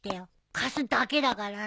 貸すだけだからね。